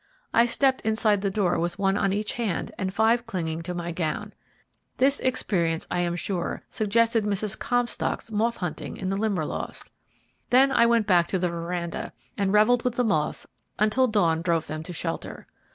I stepped inside the door with one on each hand and five clinging to my gown. This experience, I am sure, suggested Mrs. Comstock's moth hunting in the Limberlost. Then I went back to the veranda and revelled with the moths until dawn drove them to shelter.